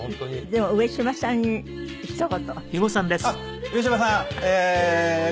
でも上島さんにひと言。